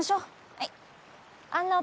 はい。